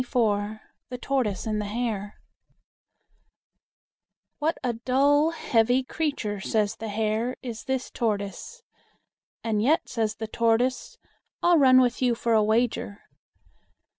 THE TORTOISE AND THE HARE "What a dull, heavy creature," says the Hare, "is this Tortoise!" "And yet," says the Tortoise, "I'll run with you for a wager."